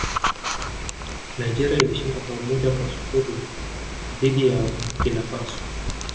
nigeria ilishinda bao moja kwa sifuri dhidi ya burki na faso